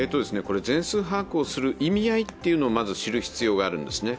全数把握をする意味合いをまず知る必要があるんですね。